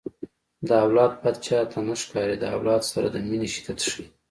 د اولاد بد چاته نه ښکاري د اولاد سره د مینې شدت ښيي